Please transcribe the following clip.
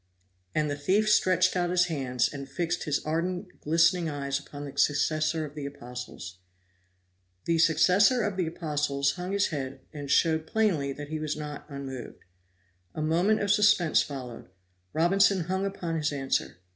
And the thief stretched out his hands, and fixed his ardent, glistening eyes upon the successor of the apostles. The successor of the apostles hung his head and showed plainly that he was not unmoved. A moment of suspense followed Robinson hung upon his answer.